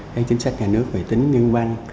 cái chính sách nhà nước về tính nhân văn